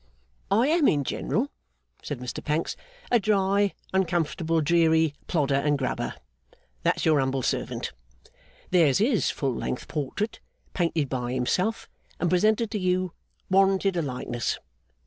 'I am, in general,' said Mr Pancks, 'a dry, uncomfortable, dreary Plodder and Grubber. That's your humble servant. There's his full length portrait, painted by himself and presented to you, warranted a likeness!